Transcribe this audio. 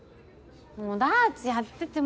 もうダーツやってて。